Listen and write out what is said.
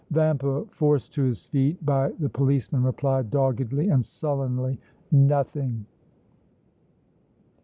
Vampa forced to his feet by the policemen replied, doggedly and sullenly: "Nothing!"